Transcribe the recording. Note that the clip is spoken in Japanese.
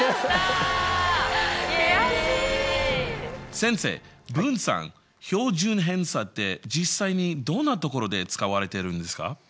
先生分散・標準偏差って実際にどんなところで使われてるんですか？